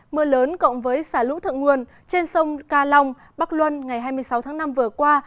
mưa lớn cộng với xả lũ thượng nguồn trên sông ca long bắc luân ngày hai mươi sáu tháng năm vừa qua